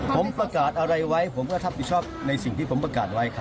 ผมประกาศอะไรไว้ผมก็รับผิดชอบในสิ่งที่ผมประกาศไว้ครับ